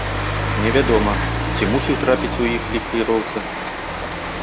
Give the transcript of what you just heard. Невядома, ці мусіў трапіць у іх лік кіроўца.